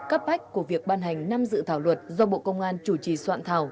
cấp bách của việc ban hành năm dự thảo luật do bộ công an chủ trì soạn thảo